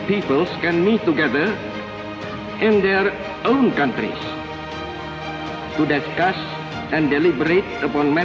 dengan berbeza keberagaman yang ada di antara pemainnya